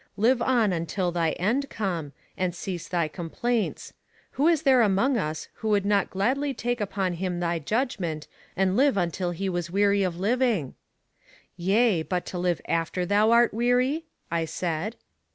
Live on until thy end come, and cease thy complaints. Who is there among us who would not gladly take upon him thy judgment, and live until he was weary of living? Yea, but to live after thou art weary? I said.